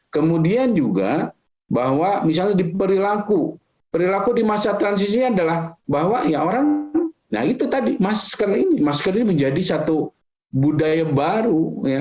kemudian juga bahwa misalnya di perilaku perilaku di masa transisi adalah bahwa ya orang nah itu tadi masker ini masker ini menjadi satu budaya baru